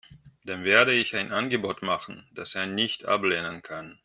Dem werde ich ein Angebot machen, das er nicht ablehnen kann.